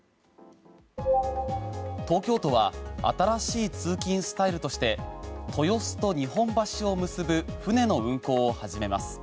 東京都は新しい通勤スタイルとして豊洲と日本橋を結ぶ船の運航を始めます。